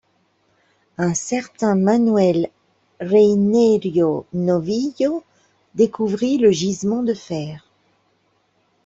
Un certain Manuel Reynerio Novillo découvrit le gisement de fer.